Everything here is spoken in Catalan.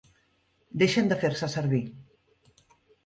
Deixen de fer-se servir.